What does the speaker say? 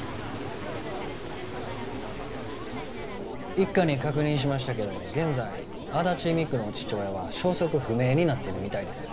一課に確認しましたけど現在安達未来の父親は消息不明になってるみたいです